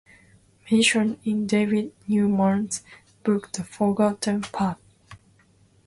Mentioned in David Newman's book "the forgotten path"